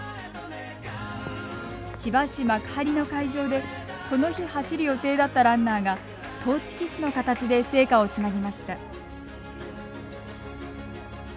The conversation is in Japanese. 千葉市幕張の会場でこの日走る予定だったランナーがトーチキスの形で聖火をつなぎました。